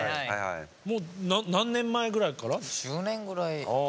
もう何年前ぐらいから？